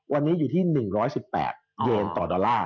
วันนี้อยู่ที่๑๑๘เยนต่อดอลลาร์